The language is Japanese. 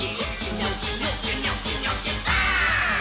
「ニョキニョキニョキニョキバーン！」